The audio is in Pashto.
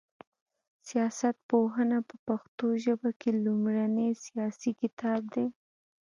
سياست پوهنه په پښتو ژبه کي لومړنی سياسي کتاب دی